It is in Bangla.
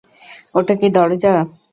ওটা কি দরজা?